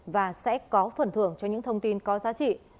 và sẽ có phần thưởng cho những thông tin có giá trị